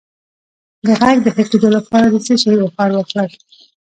د غږ د ښه کیدو لپاره د څه شي بخار واخلئ؟